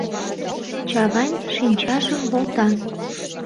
— Чавайн шинчажым волта.